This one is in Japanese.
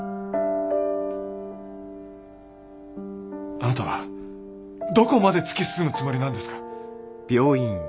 あなたはどこまで突き進むつもりなんですか？